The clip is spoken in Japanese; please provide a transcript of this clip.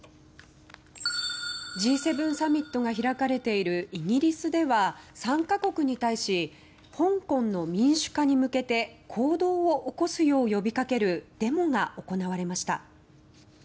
Ｇ７サミットが開かれているイギリスでは参加国に対し香港の民主化に向けて行動を起こすよう呼びかけるデモが行われました。